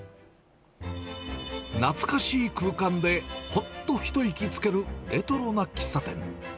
懐かしい空間でほっと一息つける、レトロな喫茶店。